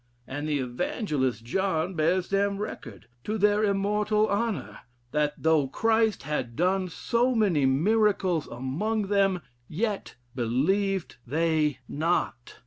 And the evangelist John bears them record, to their immortal honor; that 'though Christ had done so many miracles among them, yet believed they not.'